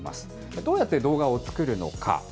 どうやって動画を作るのか。